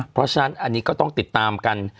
เพราะฉะนั้นอันนี้ก็ต้องติดตามกัน